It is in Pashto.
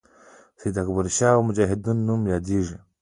سید اکبرشاه او مجاهدینو نوم یادیږي.